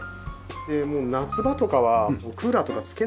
でもう夏場とかはクーラーとかつけないんですよ。